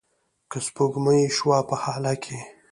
که سپوږمۍ شوه په هاله کې